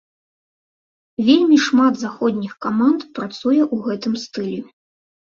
Вельмі шмат заходніх каманд працуе ў гэтым стылі.